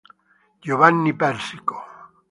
Giovanni Persico